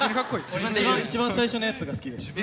一番最初のやつが好きです。